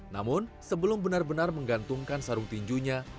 namun sebelum benar benar menggantungkan sarung tinjunya